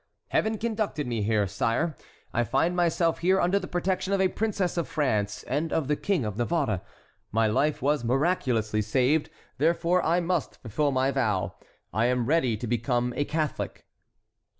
Heaven conducted me here, sire. I find myself here under the protection of a princess of France and of the King of Navarre; my life was miraculously saved, therefore I must fulfil my vow. I am ready to become a Catholic."